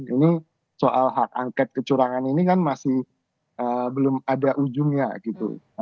ini soal hak angket kecurangan ini kan masih belum ada ujungnya gitu